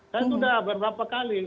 saya sudah berapa kali